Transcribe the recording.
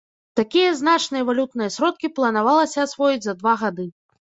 Такія значныя валютныя сродкі планавалася асвоіць за два гады.